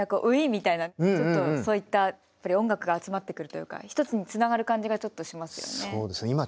ウィーンみたいなちょっとそういったやっぱり音楽が集まってくるというか一つにつながる感じがちょっとしますよね。